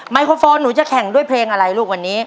ไรโครโฟนหนูจะแข่งด้วยเพลงอะไรลูกวันนี้